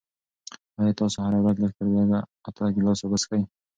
آیا تاسو هره ورځ لږ تر لږه اته ګیلاسه اوبه څښئ؟